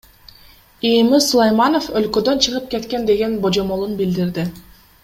ИИМ Сулайманов өлкөдөн чыгып кеткен деген божомолун билдирди.